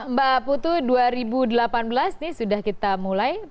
mbak putu dua ribu delapan belas ini sudah kita mulai